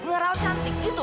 ngerawat cantik gitu